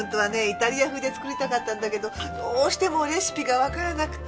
イタリア風で作りたかったんだけどどうしてもレシピがわからなくて。